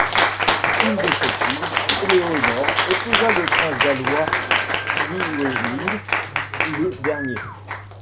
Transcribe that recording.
Une de ses filles, Éléanore, épousa le prince gallois Llywelyn le Dernier.